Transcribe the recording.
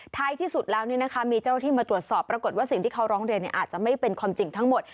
ท้ายที่สุดแล้วมีเจ้าหน้าที่มาตรวจสอบปรากฏว่าสิ่งที่เขาร้องเรียนอาจจะไม่เป็นความจริงทั้งหมด